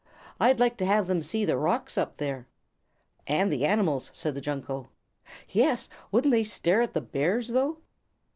I'd like to have them see the rocks up there." "And the animals," said the Junco. "Yes! Wouldn't they stare at the Bears, though!"